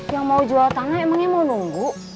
yang mau jual tanah emangnya mau nunggu